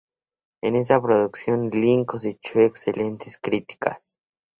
En esta producción Lynn cosechó excelentes críticas.